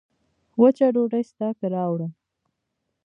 وچه ډوډۍ سته که راوړم